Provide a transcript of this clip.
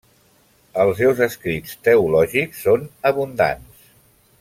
Els seus escrits teològics són abundants.